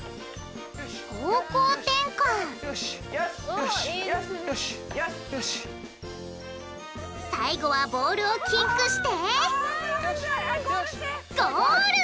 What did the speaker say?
方向転換最後はボールをキックしてゴール！